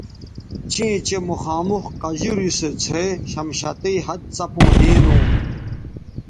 چیں چہء مخامخ قجوری سو څھے شمشتئ ھَت څپوں دینو